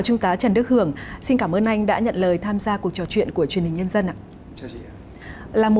trung tá trần đức hưởng xin cảm ơn anh đã nhận lời tham gia cuộc trò chuyện của truyền hình nhân dân ạ